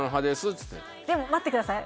っつってでも待ってください